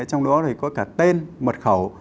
trong đó thì có cả tên mật khẩu